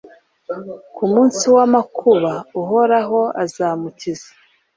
ku munsi w'amakuba, uhoraho azamukiza